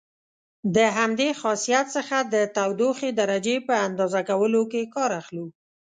د همدې خاصیت څخه د تودوخې درجې په اندازه کولو کې کار اخلو.